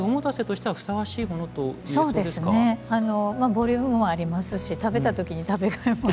ボリュームもありますし食べた時に食べがいもあるし。